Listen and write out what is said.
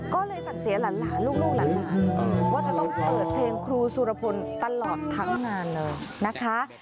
ก็เลยศักดิ์เสียหลานลูกหลานว่าจะต้องเปิดเพลงครูสุรพลตลอดทั้งงานเลยนะคะ